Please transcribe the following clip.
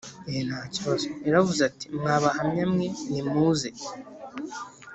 yaravuze ati mwa Bahamya mwe nimuze